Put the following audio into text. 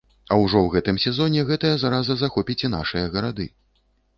А ўжо ў гэтым сезоне гэтая зараза захопіць і нашыя гарады.